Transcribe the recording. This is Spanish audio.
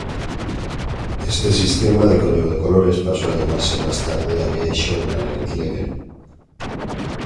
Este sistema de código de colores pasó a llamarse más tarde Aviation Alert Level.